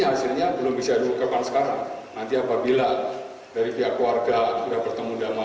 dengan penyidik baru nanti akan terlambat